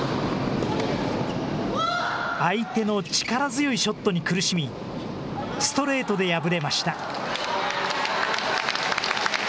相手の力強いショットに苦しみストレートで敗れました。